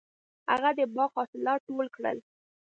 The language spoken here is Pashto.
هغه د باغ حاصلات ټول کړل.